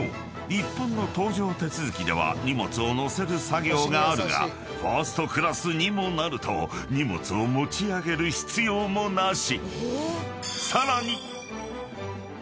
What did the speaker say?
一般の搭乗手続きでは荷物を載せる作業があるがファーストクラスにもなると荷物を持ち上げる必要もなし］